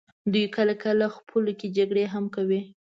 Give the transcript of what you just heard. دوی کله کله خپلو کې جګړې هم کوي.